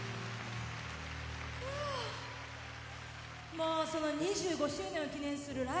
もうその２５周年を記念するライブでね